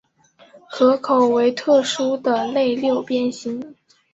壳口为特殊的类六边形。